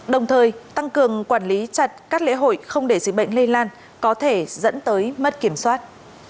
đồng thời tăng cường quản lý chặt các lễ hội không để dịch bệnh lây lan có thể dẫn tới mất kiểm soát